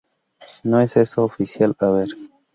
no es eso, oficial. a ver.